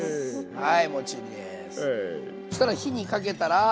はい。